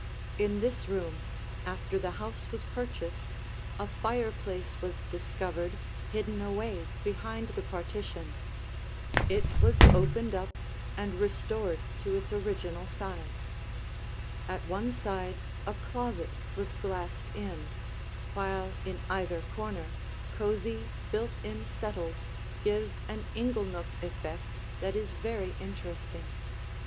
In this room, after the house was purchased, a fireplace was discovered hidden away behind the partition. It was opened up and restored to its original size. At one side a closet was glassed in, while in either corner cosy, built in settles give an inglenook effect that is very interesting.